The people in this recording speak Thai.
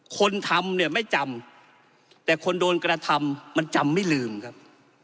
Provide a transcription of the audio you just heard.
คนทำเนี่ยไม่จำแต่คนโดนกระทำมันจำไม่ลืมครับ